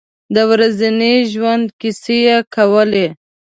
د ورځني ژوند کیسې یې کولې.